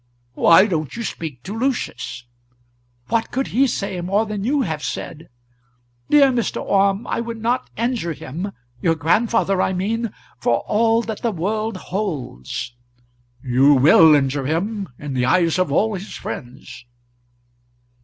"Why don't you speak to Lucius?" "What could he say more than you have said? Dear Mr. Orme, I would not injure him, your grandfather, I mean, for all that the world holds." "You will injure him; in the eyes of all his friends."